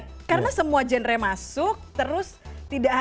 tetaplah di cnn indonesia connected